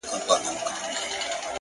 گلي پر ملا باندي راماته نسې!!